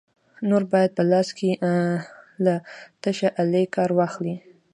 نور باید په لاس کې له شته آلې کار واخلې.